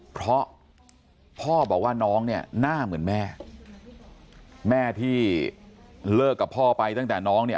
เพราะพ่อบอกว่าน้องเนี่ยหน้าเหมือนแม่แม่ที่เลิกกับพ่อไปตั้งแต่น้องเนี่ย